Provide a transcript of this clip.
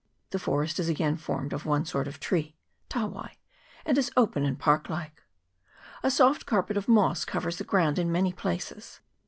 The forest is again formed of one sort of tree, tawai, and is open and park like. A soft carpet of moss covers the ground in many places.